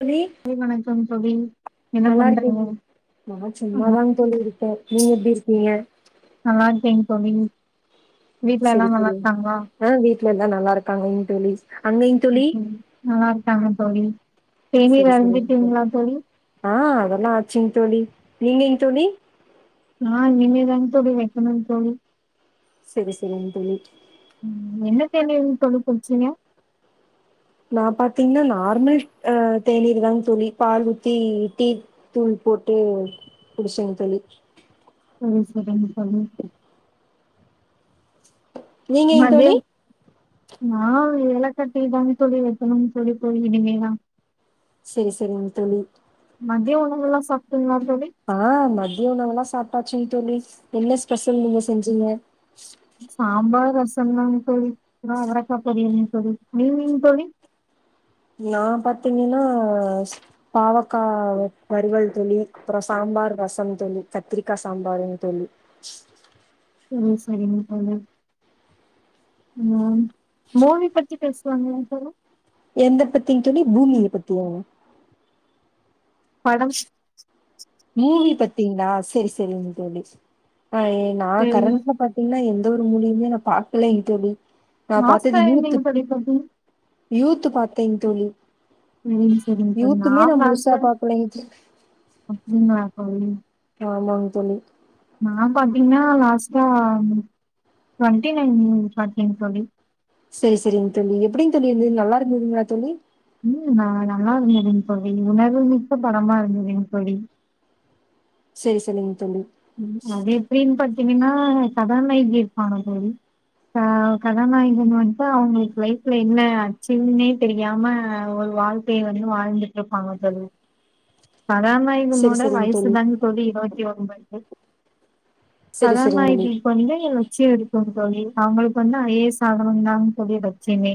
தோழி காலை வணக்கம் தோழி என்ன நல்லா பண்றீங்க இருக்கேங்க நா நல்லா சும்மாதாங்க தோழி இருக்கே நீங்க எப்டி இருக்கீங்க நல்லா இருக்கேங்க தோழி வீட்ல எல்லா செரி நல்லா தோழி இருக்காங்களா ஆ வீட்ல எல்லா நல்லா இருக்காங்க தோழி அங்கங்க தோழி நல்லா இருக்காங்க தோழி செரி தேனீர் செரிங்க அருந்தீட்டீங்களா தோழி ஆ அதெல்லா ஆச்சுங்க தோழி நீங்கங்க தோழி நா இனிமேதாங்க தோழி வைக்கனு தோழி செரி செரிங்க தோழி ம் என்ன தேநீர் உங்களுக்கு ரொம்ப புடிச்சீங்க நா பாத்தீங்கன்னா நார்மல் ஆ தேநீர்தாங்க தோழி பால் ஊத்தி டீ தூள் போட்டு குடிச்சேங்க தோழி ம் செரிங்க தோழி நீங்கங்க தோழி மத்யம் நா ஏலக்கா டீதாங்க தோழி வைக்கணுங்க தோழி போய் இனிமேதா செரி செரிங்க தோழி மதிய உணவுல்லா சாப்ட்டீங்களா தோழி ஆ மதிய உணவுல்லா சாப்ட்டாச்சுங்க தோழி என்ன ஸ்பெஷல் நீங்க செஞ்சீங்க சாம்பார் ரசம்தாங்க தோழி இது அவரக்கா பொரியல் தோழி நீங்கங்க தோழி நா பாத்தீங்கன்னா பாவக்கா வறுவல் தோழி அப்பறோ சாம்பார் ரசம் தோழி கத்திரிக்கா சாம்பருங்க தோழி ம் சரிங்க தோழி ம் மூவி பத்தி பேசுவாங்கலா தோழா எந்த பத்தி தோழி பூமிய பத்தியாவா படம் மூவி பத்தீங்களா செரி செரிங்க தோழி ஆ நா சரிங்க கரண்ட்ல பாத்தீங்கன்னா எந்த ஒரு மூவியுமே நா பாக்கலைங்க தோழி நா பாத்தது லாஸ்டா யூத்து நீங்க தோழி பாத்தீங்க யூத்து பாத்தேங்க தோழி சரிங்க சரிங்க தோழி யூத்துமே நா முழுசா பாக்கலைங்க தோழி அப்டிங்கலா தோழி ஆமாங்க தோழி நா பாத்தீங்கன்னா லாஸ்ட்டா ட்வெண்ட்டி நைன் பாத்தேங்க தோழி செரி செரிங்க தோழி எப்டிங்க தோழி இருந்தது நல்லா இருந்ததுங்களா தோழி ம் நா நல்லா இருந்ததுங்க தோழி உணர்வு மிக்க படமா இருந்ததுங்க தோழி செரி செரிங்க தோழி அது எப்டின் பாத்தீங்கன்னா சதான் வைதி இருப்பான தோழி ஆ கதாநாயகன் வந்துட்டு அவங்களுக்கு லைஃப்ல என்ன அச்சிவ்ன்னே தெரியாம ஒரு வாழ் கைய வந்து வாழ்ந்துட்டு இருப்பாங்க தோழி செரி ககநாயகனோட செரிங் வயசு தாங்க தோழி இருவத்தி ஒன்பது செரி செரிங் தோழி கதாநாயகி வந்து என் லட்சியம் இருக்கும் தோழி அவங்களுக்கு வந்து ஐ ஏ எஸ் ஆகனும்னு தா தோழி லட்சியமே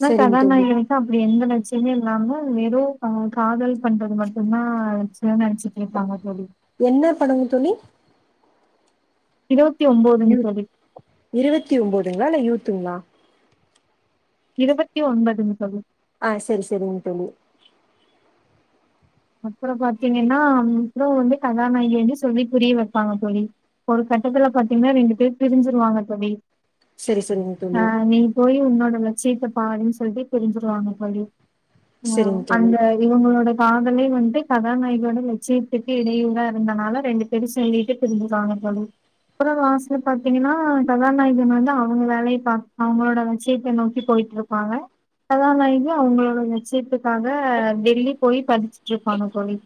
அதா சரிங்க தோழி கதநாயகி அப்டி எந்த லட்சியமே இல்லாம வெறும் காதல் பண்றது மட்டுந்தா எதனா நெனச்சிட்டே இருப்பாங்க தோழி என்ன படங்க தோழி இருவத்தி ஒம்போதுங்க யூ தோழி இருவத்தி ஒம்போதுங்களா இல்ல யூத்துங்களா இருவத்தி ஒம்போதுங்க தோழி ஆ சரி சரிங்க தோழி அப்புற பாத்தீங்கன்னா இவரு வந்து கதாநாயகி வந்து சொல்லி புரிய வைப்பாங்க தோழி ஒரு கட்டத்துல பாத்தீங்கன்னா ரெண்டு பேர் பிரிஞ்சிருவாங்க தோழி சரி சரிங்க ஆ தோழி நீ போய் உன்னோட லட்சியத்த பாருன் சொல்லிட்டு பிரிஞ்சிருவாங்க தோழி அ சரிங்க தோழி அந்த இவங்களோட பா கூடவே வந்து கதாநாயகனோட லட்சியத்துக்கு இடையூரா இருந்தனால ரெண்டு பேரும் சொல்லிட்டு பிரிஞ்சுருவாங்க தோழி அப்புற லாஸ்ட்ல பாத்தீங்கன்னா கதாநாயகன் வந்து அவங்க வேலைய பா அவங்களோட லட்சியத்தை நோக்கி போய்ட்டு இருப் ப்பாங்க கதாநாயகி அவங்களோட லச்சியத்துக்காக டெல்லி போய் படிச்சு ருப்பாங்க தோழி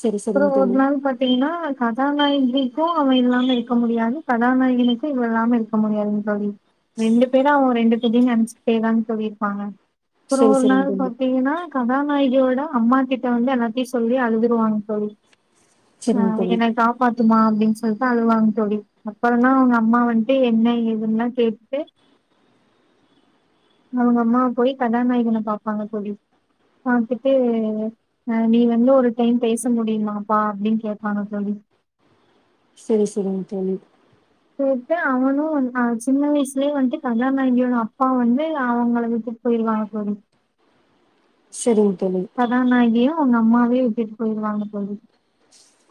சரி அப்புற சரிங்க ஒரு தோழி நாள் பாத் தீங்கனா கதாநாயகிக்கும் அவெ இல்லாம இருக்க முடியாது கதாநாயகனக்கும் இவ இல்லாம இரு பாக்க முடியாதுங்க தோழி ரெண்டு பேரா அவன் ரெண்டு பேரையும் நெனச்சுட்டேதான் தோழியிருப்பாங்க அப்புற சரி ஒரு சரிங்க நாள் தோழி பாத்தீங்கன்னா கதாநாயகியோட அம்மா கிட் ட வந்து எல்லாத்தையு சொல்லி அழுதுருவாங்க தோழி அ சரிங்க தோழி என்ன காப் பாத்துமா அப்டின்னு சொல்லிட்டு அழுவாங்க தோழி அப்புறந்தா உங்க அம்மா வந்ட்டு என்ன ஏதுன்ல்லா கேட்டு அவங்க அம்மாவ போய் கதாநாயகனை பாப்பாங்க தோழி பாத்துட்டு அ நீ வந்து ஒரு டைம் பேச முடியுமாப்பா அப்டின்னு கேப்பாங்க தோழி செரி செரிங்க தோழி போயிட்டு அவனு வந்தான் சின்ன வயசுலேயே வந்துட்டு கதாநாயகியோட அப்பா வந்து அவங்கள விட்டுட்டு போயிருவாங்க தோழி சரிங்க தோழி கதாநாயகியு அவங்க அம்மாவையு விட்டுட்டு போயிருவாங்க தோழி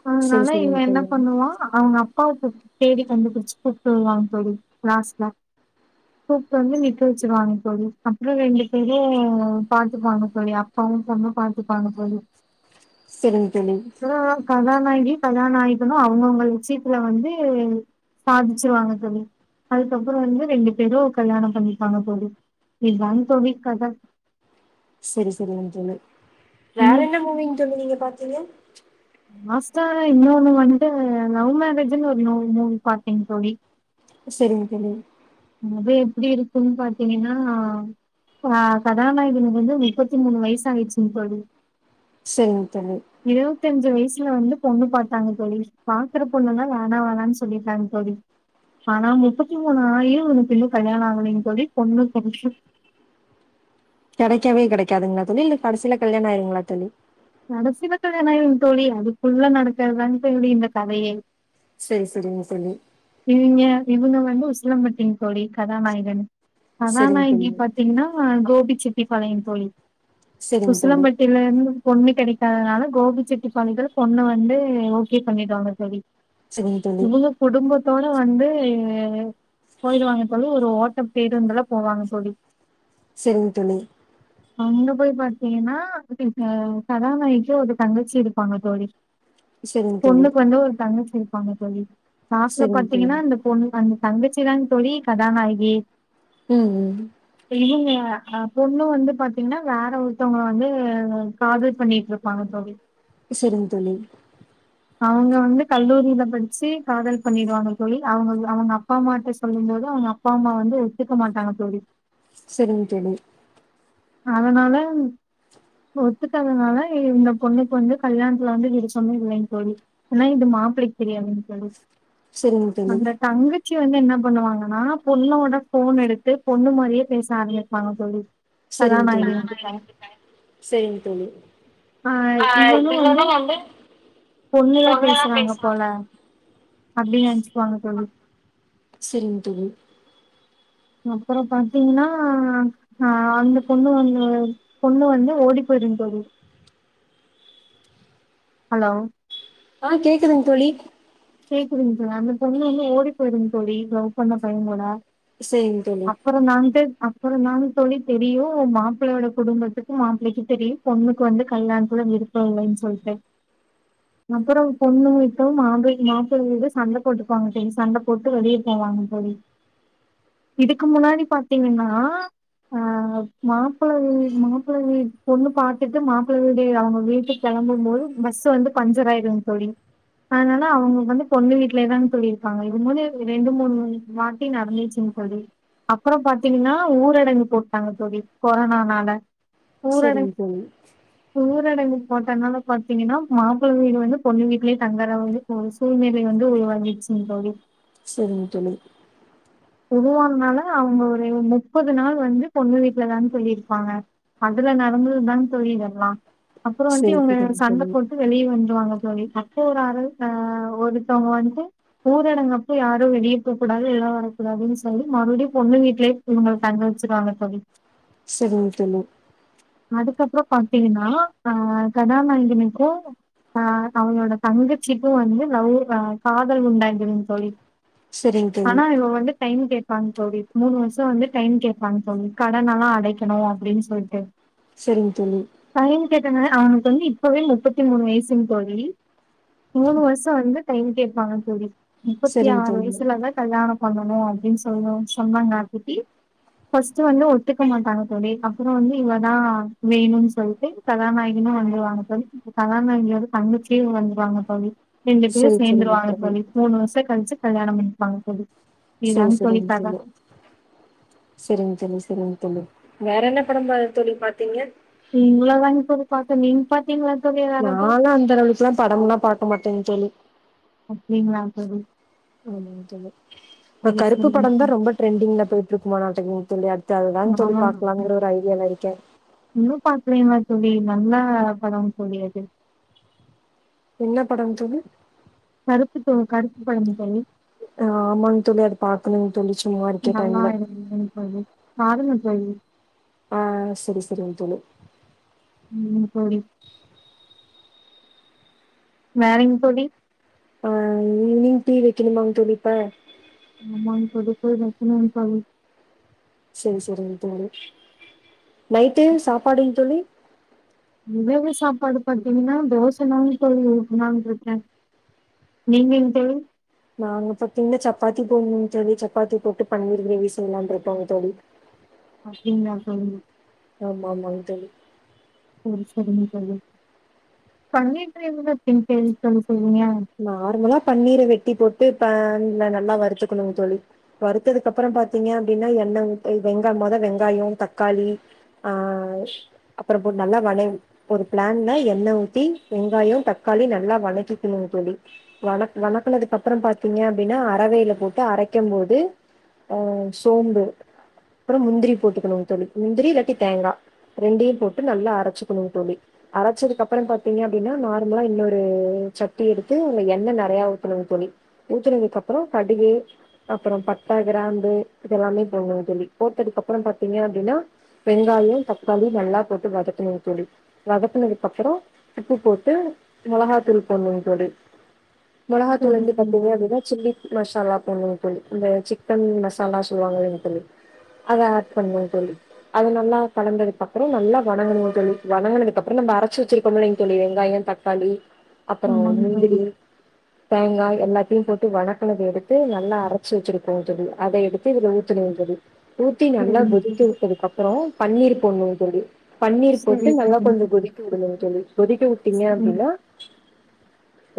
சரி போனால இவெ சரிங்க என்ன தோழி பண்ணுவா அவங்க அப்பாவுத் தேடி கண்டு பிடிச்சு கூட்டு வருவா தோழி லாஸ்ட்ல தூக்குல வந்து நிக்க வச்சிருவாங்க தோழி அப்புற ரெண்டு பேரும் பாத்துப்பாங்க தோழி அவங்க சொன்னா பாத்துப்பாங்க தோழி சரிங்க தோழி கதாநாயகி கதாநாயகனும் அவங்கவுங்க விஷயத்துல வந்து சாதிச்சிருவாங்க தோழி அதுக்கப்புற வந்து ரெண்டு பேரும் கல்யாணம் பண்ணிருப்பாங்க தோழி இதான் தோழி கதை செரி செரிங்க தோழி வேற என்ன இன்னைக்கு மூவிங் தோழி நீங்க பாத்தீங்க லாஸ்டா இன்னோன்னு வந்துட்டு லவ் மேரேஜ்ன்னு ஒரு நோ மூவி பாத்தேங்க தோழி செரிங்க தோழி அது எப்டி இருக்குன் பாத்தீங்கன்னா ஆ கதாநாயகனுக்கு வந்து முப்பத்தி மூனு வயசு ஆயிடுச்சுங் தோழி சேரிங்க தோழி இருவத்தஞ்சு வயசுல வந்து பொண்ணு பாத்தாங்க தோழி பாக்குற பொண்ணுல்லா வேணா வேணான் சொல்லிறாங்க தோழி ஆனா முப்பத்தி மூனு ஆயு அவனக்குன்னு கல்யாண ஆகலன் தோழி பொண்ணு புதுசு கெடைக்கவே கெடைக்காதுங்ளா தோழி இல்ல கடைசில கல்யாண ஆயிருங்ளா தோழி நடைசியா கல்யாணோ ஆயிரு தோழி அதுக்குள்ள நடக்காதான்டு இந்த கதையே சேரி சரிங்க தோழி இவங்க இவங்க வந்து உசிலம்பட்டிங்க தோழி கதாநாயகன் சரிங்க கதாநாயகி தோழி பத் த்தீங்னா கோபிச்செட்டி பாளையம் தோழி சரிங்க தோழி உசிலம்பட்டியில இருந்து பொண்ணு கெடைக்காதனால கோபி செட்டிப்பாளத்தல பொண்ணு வந்து ஓகே பண்ணிடாங்க தோழி சரிங்க தோழி இவங்க குடும்பத்தோட வந்து எ எ அ போயிடுவாங்க தோழி ஒரு ஓட்டம் பேருந்துல போவாங்க தோழி சேரிங் தோழி அங்க போய் பாத்தீங்னா உத்தே த கதாநாயகிக்கு ஒரு தங்கச்சி இருப்பாங்க தோழி சரிங்க தோழி பொண்ணுக்கு வந்து ஒரு தங்கச்சி இருப் பாங்க ஆமா தோழி லாஸ்ட்ல சரிங்க தோழி பாத்தீங்னா அந்த பொண்ணு அந்த தங்கச்சிதா தோழி கதாநாயகி ம் ம் இல்லங்க பொண்ணு வந்து பாத்தீங்னா வேற ஒருத்தவங்கள வந்து காதல் பண்ணிட்டு இருப்பாங்க தோழி சேரிங் தோழி அவங்க வந்து கல்லூரியில படிச்சி காதல் பண்ணிடுவாங்க தோழி அவங்க அவங்க அப்பா அம்மாட்ட சொல்லும்போது அவங்க அப்பா அம்மா வந்து ஒத்துக்க மாட்டாங்க தோழி செரிங்க தோழி அதனாலம் ஒத்துக்காததுனால இந்த பொண்ணுக்கு வந்து கல்யாணத்துல வந்து விருப்பமே இல்லங் தோழி ஆனா இது மாப்பிளைக்கு தெரியாதுங் தோழி சரிங்க தோழி அந்த டங்கு வந்து என்ன பண்ணுவாங்கன்னா பொண்ணோட போன் எடுத்து பொண்ணு மாறியே பேச ஆரம்பிப்பாங்க தோழி சரிங்க தோழி கதாநாயகன் கிட்ட சரிங்க தோழி ஆ இவனு வந்து பொண்ணுதா பேசுறாங்க போல அப்டி நெனைச்சுகுவாங்க தோழி சேரிங் தோழி அப்ரோ பாத்தீங்னா அ அந்த பொண்ணு வந்து பொண்ணு வந்து ஓடி போயிடு தோழி ஹலோ ஆ கேக்குதுங் தோழி கேக்குதுங்க சா அந்த பொண்ணு வந்து ஓடி போயிரு தோழி லவ் பண்ண பையங்கூட சேரிங்க தோழி அப்புறம் நான்டு அப்ரோ நானு தோழி தெரியு மாப்பிள்ளையோட குடும்பத்துக்கு மாப்பிள்ளைக்கும் தெரியு பொண்ணுக்கு வந்து கல்யாணத்ல விருப்பம் இல்லைன்னு சொல்ட்டு அப்பறம் பொண்ணு வீட்டு மாப்பி மாப்பிள்ள வீடு சண்ட போட்டுபாங்க தோழி சண்ட போட்டு வெளிய போவாங்க தோழி இதுக்கு முன்னாடி பாத்தீங்கன்னா ஆ மாப்பிள வீ மாப்பிள வீ பொண்ணு பாத்திட்டு மாப்பிளை வீடு அவங்க வீட்டுக் கிளம்பும் போது பஸ்சு வந்து பஞ்சர் ஆயிரு தோழி அதனால நா அவங்க வந்து பொண்ணு வீட்லயே தா தோழி இருக்காங்க இது மாரி ரெண்டு மூனு வாட்டி நடந்துச்சுங் தோழி அப்ரோ பாத்தீங்கன்னா ஊரடங்கு போட்டாங்க தோழி கொரோனானால ஊரடங் சரிங்க தோழி ஊரடங்கு போட்டதுனால பாத்தீங்னா மாப்பிள வீடு வந்து பொண்ணு வீட்லேயே தங்கறவது ஓர் சூழ்நில வந்து உருவாகிச்சிங் தோழி சேரிங்க தோழி உருவானனால அவங்க ஒரு முப்பது நாள் வந்து பொண்ணு வீட்லதா தோழி இருப்பாங்க அதுல நடந்தது தா தோழி இதெல்லா அப்றோ வந்து சரி இவங்க சரிங்க சண்ட தோழி போட் டு வெளிய வந்துடுவாங்க தோழி அப்ப ஒரு அற ஆ ஒருத்தவங்க வந்து ஊரடங்கப்போ யாரு வெளிய போக்கூடாது வெளிய வரக்குடாதுனு சொல்லி மறுபடியு பொண்ணு வீட்லே இவங்கள தங்க வச்சிருவாங்க தோழி செரிங்க தோழி அதுக்கப்றோ பாத்தீங்னா அ கதாநாயகனுக்கு ஆ அவனோட தங்கச்சிக்கு வந்து லவ் ஆ காதல் உண்டாய்டுங் தோழி சரிங்க தோழி ஆனா இவ வந்து டைம் கேப்பாங்க தோழி மூணு வருஷோ வந்து டைம் கேப்பாங்க தோழி கடன் எல்லா அடைக்கணு அப்டினு சொல்லிட்டு செரிங் தோழி டைம் கேட்டனால அவனுக்கு வந்து இப்பவே முப்பத்தி மூணு வயசுங் தோழி மூணு வருஷோ வந்து டைம் கேப்பாங்க தோழி முப்பத்தி சரிங்க ஆறு தோழி வயசுலதா கல்யாண பண்ணணு அப்டினு சொன்ன சொன்னாங்க ஆ குட்டி ஃபஸ்ட் வந்து ஒத்துக்க மாட்டாங்க தோழி அப்றோ வந்து இவ தா வேணுன்னு சொலிட்டு கதாநாயகனு வந்துரு வாங்க தோழி கதாநாயகியோட தங்கச்சியு வந்துருவாங்க தோழி ரெண்டு பேரு சரி சரிங்க சேந்துருவாங்க தோழி மூணு வருஷ கழிச்சு கல்யாண பண்ணிப்பாங்க தோழி செரி இதுதாங்க தோழி செரி கத செய்ய வேற என்ன படோ தோழி பாத்தீங்க இவ்ளோதாங்க தோழி பாத் நீங் பாத்திங்ளா தோழி வேற எதா நாலா அந்த அளவுக்குல்லா படம்ல்லா பாக்க மாட்டேங் தோழி அப்டிங்ளா தோழி ஆமாங் தோழி இப்ப சேரி கருப்பு படோ தா சேரிங்க. ரொம்ப ட்ரெண்டிங்ல போ மட்டு இருக்கு மாநாட்டக தோழி‌ அடுத்து அதுதாங் தோழி நாலா பாக்கலங்கிற ஒரு ஐடியால இருக்கே இன்னு பாக்கலைங்கலா தோழி நல்லா படோ தோழி அது என்ன படங் தோழி கருப்பு தோ கருப்பு படம் தோழி ஆமாங் தோழி அது பாக்கணு தோழி சும்மா இருக்க நல்லா டைம்ல பாருங்க தோழி ஆ சேரி சேரிங் தோழி ம் தோழி வேறங் தோழி ஆ இவ்னிங் டீ வக்கணுமா தோழி இப்ப ஆமாங்க தோழி போய் வைக்கனோ தோழி சேரி சேரிங் தோழி நைட்டு சாப்பாடுங் தோழி [unintelligible] சாப்பாடு பாத்தீங்னா தோச தா தோழி ஊத்லானு இருக்க நீங்கங் தோழி நாங்க பாத்தீங்னா சப்பாத்தி போடணு தோழி சப்பாத்தி போட்டு பன்னீர் கிரேவி செய்யலானு இருகோங் தோழி அப்டிங்ளா தோழி ஆமா ஆமாங் தோழி சரி சரிங்க தோழி பண்ணிட்டு இருங்கன்னப்பனு தோழி சொல்றீங்க நார்மலா பன்னீர வெட்டி போட்டு ஃபேன்ல நல்லா வருத்துக்கனு தோழி வருத்ததுக்கு அப்பறோ பாத்தீங்க அப்டின்னா எண்ணெய் மொத வெங்காயோ தக்காளி ஆ அப்புற போ நல்லா வணங்கி ஒரு பேன்ல எண்ணெய் ஊத்தி வெங்காயோ தக்காளி நல்லா வணக்கிகனு டி வ வணக்கனதுக்கு அப்பறோ பாத்தீங்க அப்டின்னா அறவைல போட்டு அரைக்கும் போது அ சோம்பு அப்பறோ முந்திரி போட்டுக்கணுங்க தோழி முந்திரி இல்லாட்டி தேங்கா ரெண்டையு போட்டு நல்லா அரச்சுக்கணுங்க தோழி அரச்சதுக்கு அப்பறோ பாத்தீங்க அப்டின்னா நார்மலா இன்னோரு ச ட்டி எடுத்து எண்ணெய் நெறயா ஊத்தனுங்க தோழி ஊத்துனதுக்கு அப்பறோ கடுகு அப்பறோ பட்ட கிராம்பு இதெல்லாமே போடணு தோழி போட்டதுக்கப்பறோ பாத்தீங்க அப்டின்னா வெங்காயோ தக்காளி நல்லா போட்டு வதக்கனு தோழி வதக்குனதுக்கு அப்பறோ உப்பு போட்டு மொளகாத்தூள் போடணு போடு மொளகாதூள் வந்து பாத்தீங்க சொல்றீங்க அப்டின்னா சில்லி மசாலா போடணுன்ங்கதோழி இந்த சிக்கன் மசாலா சொல்லுவாங்களேன்னு தோழி அத ஆட் பண்ணன்னு தோழி அது நல்லா கலந்ததுக்கு அப்பறோ நல்லா வணங்கனு தோழி வணங்கனதுக்கு அப்பறோ நம்ம அரச்சு வச்சுருக்கோம்ல தோழி வெங்காயோ தக் தக்காளி அப்பறோ ஆமாங்க தோழி முந்திரி தேங்கா எல்லாத்தையு போட்டு வணக்குனத எடுத்து நல்லா அரச்சு வச்சிருப்போ தோழி அத எடுத்து இத ஊத்தனு தோழி ஊத்தி நல்லா சரிங்க கொதிக்க தோழி விட்டதுக்கு அப்பறோ பன்னீர் போடனு தோழி பன்னீர் போட்டு சரி நல்லா சரி கொஞ்ச கொதிக்க விடனு தோழி கொதிக்க விட்டீங்க ம் அப்டின்னா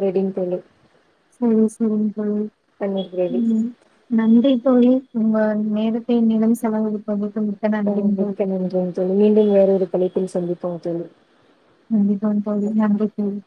ரெடிங் தோழி செரிங்க செரிங்க தோழி பன்னீர் கிரேவி ம் நன்றி தோழி உங்க நேரத்தை என்னிடம் செலவழிப்பது ஓ மிக்க நன்றிங்க தோழி மீண்டும் வேற ஒரு தலைப்பில் சந்திப்போம் தோழி கண்டிப்பாங்க தோழி நன்றி தோழி